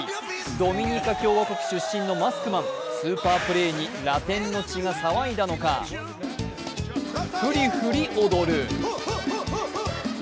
ドミニカ共和国出身のマスクマンスーパープレーにラテンの血が騒いだのか振り振り踊る！